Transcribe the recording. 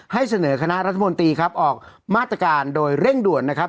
ให้เสนอคณะรัฐมนตรีครับออกมาตรการโดยเร่งด่วนนะครับ